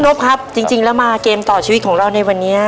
บครับจริงแล้วมาเกมต่อชีวิตของเราในวันนี้